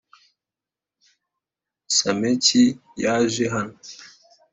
Sameki yaje hano